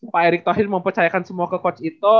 pak erik tauhin mempercayakan semua ke coach ito